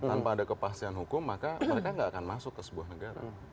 tanpa ada kepastian hukum maka mereka nggak akan masuk ke sebuah negara